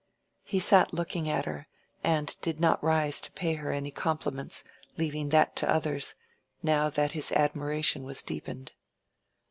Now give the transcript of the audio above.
He sat looking at her, and did not rise to pay her any compliments, leaving that to others, now that his admiration was deepened.